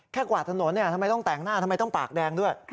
กวาดถนนทำไมต้องแต่งหน้าทำไมต้องปากแดงด้วย